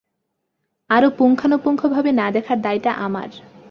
আরো পঙ্খানুপুঙ্খভাবে না দেখার দায়টা আমার।